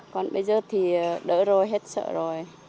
còn bây giờ thì đỡ rồi hết sợ rồi